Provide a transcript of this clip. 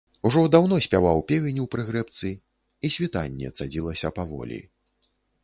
Ужо даўно спяваў певень у прыгрэбцы, і світанне цадзілася паволі.